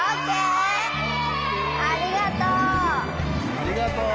ありがとう。